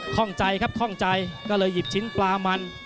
ข้องใจครับข้องใจก็เลยหยิบชิ้นปลามัน